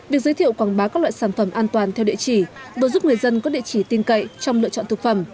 việc giới thiệu quảng bá các loại sản phẩm an toàn theo địa chỉ vừa giúp người dân có địa chỉ tin cậy trong lựa chọn thực phẩm